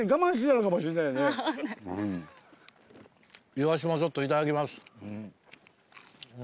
イワシもちょっと頂きます。